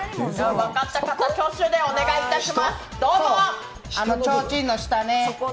分かった方挙手でお願いします。